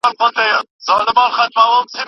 خیر محمد د موټر رنګ په یاد درلود.